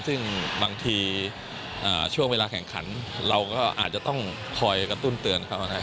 ซึ่งบางทีช่วงเวลาแข่งขันเราก็อาจจะต้องคอยกระตุ้นเตือนเขานะครับ